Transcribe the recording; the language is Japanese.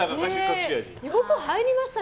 よく入りましたね